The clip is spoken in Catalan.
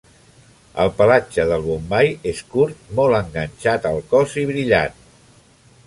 El pelatge del Bombai és curt, molt enganxat al cos i brillant.